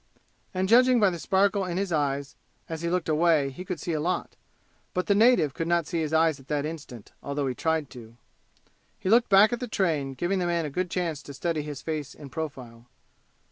And judging by the sparkle in his eyes as he looked away he could see a lot. But the native could not see his eyes at that instant, although he tried to. He looked back at the train, giving the man a good chance to study his face in profile.